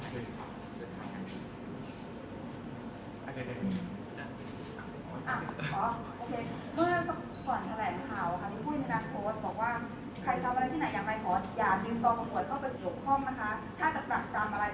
พูดเมื่อการแสดงแหลงข่าวคือพูดกับการโปรด